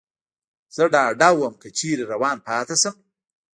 زه ډاډه ووم، که چېرې روان پاتې شم.